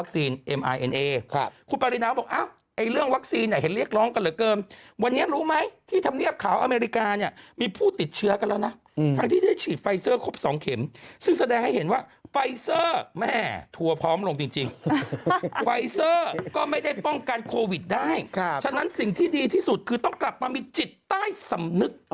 ที่เราออกมาทำการก็คือเรียกร้องวัคซีน